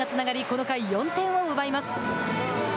この回、４点を奪います。